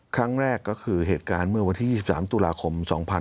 ครั้งแรกก็คือเหตุการณ์เมื่อวันที่๒๓ตุลาคม๒๕๕๙